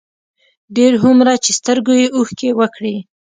ډېر هومره چې سترګو يې اوښکې وکړې،